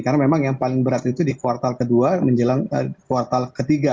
karena memang yang paling berat itu di kuartal kedua menjelang kuartal ketiga